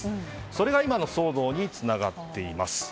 それが今の騒動につながっています。